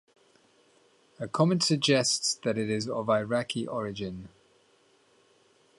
A comment suggests that it is of Iraqi origin.